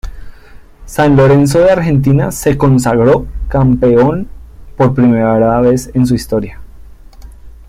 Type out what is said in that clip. San Lorenzo de Argentina se consagró campeón por primera vez en su historia.